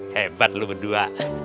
hebat lo berdua